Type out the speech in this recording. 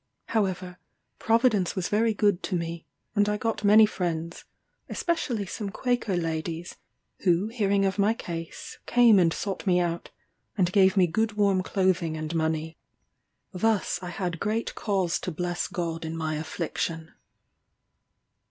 However, Providence was very good to me, and I got many friends especially some Quaker ladies, who hearing of my case, came and sought me out, and gave me good warm clothing and money. Thus I had great cause to bless God in my affliction.